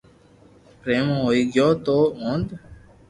ڀیرون ھوئي گیونھ